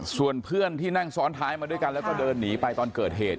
ส่วนเพื่อนที่นั่งซ้อนท้ายมาด้วยกันแล้วก็เดินหนีไปตอนเกิดเหตุ